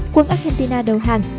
quân argentina đầu hàng